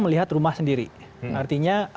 melihat rumah sendiri artinya